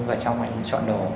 và trong anh chọn đồ